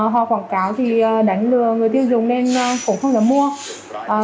họ quảng cáo thì đánh lừa người tiêu dùng nên cũng không dám mua